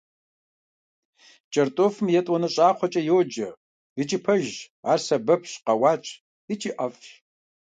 КӀэртӀофым «етӀуанэ щӀакхъуэкӀэ» йоджэ, икӀи пэжщ, ар сэбэпщ, къэуатщ икӀи ӀэфӀщ.